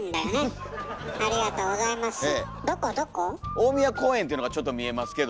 「大宮公園」っていうのがちょっと見えますけど。